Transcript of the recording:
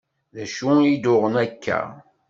D acu i d-uɣen akka?